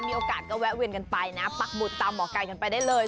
มีโอกาสก็แวะเวียนกันไปนะปักบุตรตามหมอไก่กันไปได้เลย